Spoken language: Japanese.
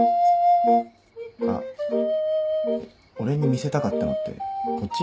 あっ俺に見せたかったのってこっち？